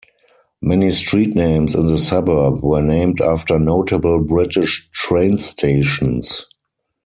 Many street names in the suburb were named after notable British train stations.